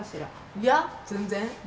いや全然。